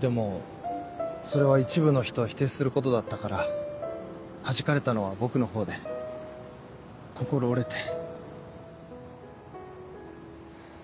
でもそれは一部の人を否定することだったからはじかれたのは僕のほうで心折れて。